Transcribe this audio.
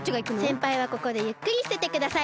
せんぱいはここでゆっくりしててください。